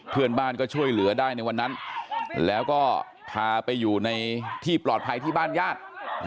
เพื่อนบ้านก็ช่วยเหลือได้ในวันนั้นแล้วก็พาไปอยู่ในที่ปลอดภัยที่บ้านญาติ